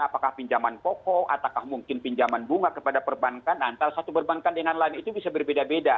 apakah pinjaman pokok apakah mungkin pinjaman bunga kepada perbankan antara satu perbankan dengan lain itu bisa berbeda beda